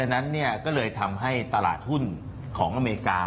นั้นก็เลยทำให้ตลาดหุ้นของอเมริกา